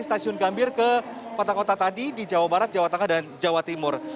stasiun gambir ke kota kota tadi di jawa barat jawa tengah dan jawa timur